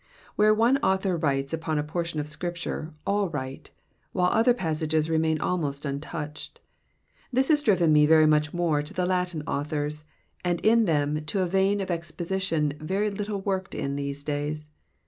Where one author writes upon a portion of Scripture, all write, while other passages remain almost untouched. This has driven me very much more to the Latin authors, and in them to a vein of exposition very little worked in these days.